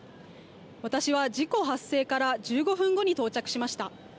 私は事故発生から１５分後に到着しました。